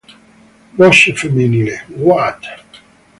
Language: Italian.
Voce femminile: What?